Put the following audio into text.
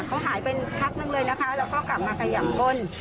เขาหายไปพักนึงเลยนะคะแล้วก็กลับมาขยำก้น